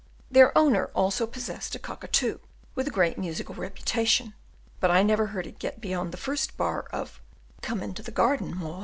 Their owner also possessed a cockatoo with a great musical reputation, but I never heard it get beyond the first bar of "Come into the garden, Maud."